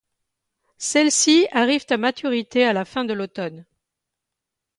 Celles-ci arrivent à maturité à la fin de l’automne.